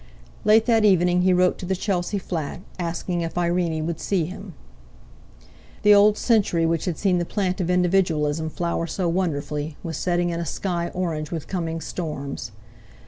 Late that evening he wrote to the Chelsea flat, asking if Irene would see him. The old century which had seen the plant of individualism flower so wonderfully was setting in a sky orange with coming storms.